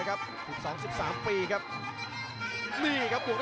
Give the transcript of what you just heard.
จังหวาดึงซ้ายตายังดีอยู่ครับเพชรมงคล